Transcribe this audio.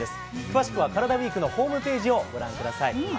詳しくはカラダＷＥＥＫのホームページをご覧ください。